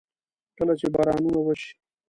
کله چې بارانونه وشي.